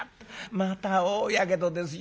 また大やけどですよ。